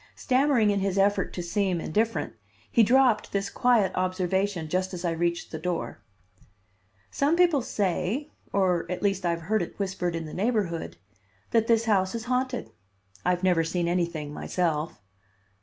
Stammering in his effort to seem indifferent, he dropped this quiet observation just as I reached the door. "Some people say, or at least I have heard it whispered in the neighborhood, that this house is haunted. I've never seen anything, myself."